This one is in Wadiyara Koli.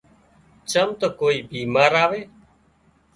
چم تو ڪوئي ٻيماري آوي